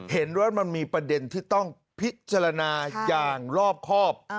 เห็นว่ามันมีประเด็นที่ต้องพิจารณาอย่างรอบครอบ